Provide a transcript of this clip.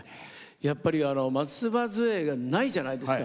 やっぱり、松葉づえがないじゃないですか。